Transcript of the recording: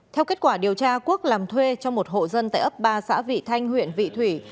theo kết quả điều tra quốc làm thuê cho một hộ dân tại ấp ba xã vị thanh huyện vị thủy